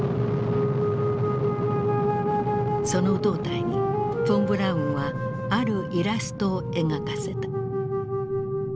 その胴体にフォン・ブラウンはあるイラストを描かせた。